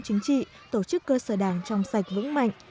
chính trị tổ chức cơ sở đảng trong sạch vững mạnh